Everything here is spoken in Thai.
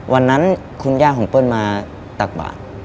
วันนั้นคุณย่าของเปิ้ลมาตักบาท